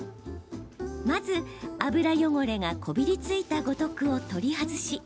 まず、油汚れがこびりついた五徳を取り外し